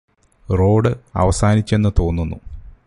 road അവസാനിച്ചെന്നു തോന്നുന്നു